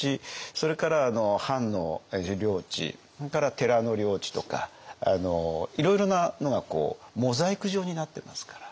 それから藩の自領地それから寺の領地とかいろいろなのがモザイク状になってますから。